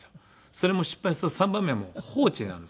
それも失敗すると３番目はもう放置になるんですよね。